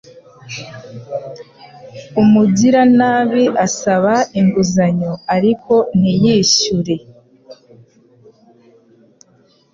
Umugiranabi asaba inguzanyo ariko ntiyishyure